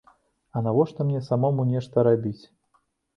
А навошта мне самому нешта рабіць?